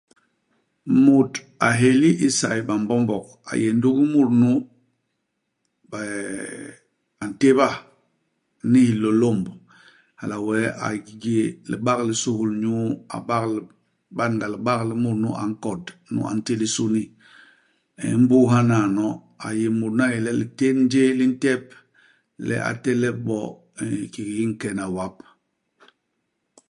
Mut a héli i sayba Mbombog, A yé ndugi mut nu ba eeh a ntéba ni Hilôlômb. Hala wee a yé libak li suhul-nyuu. A bak a ban-ga libak li mut nu a nkot ; nu a nti lisuni. Imbus hanaano, a yé mut nu a yé le litén jéé li ntep, le a telep bo nn kiki nkene wap.